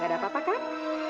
gak ada apa apa kan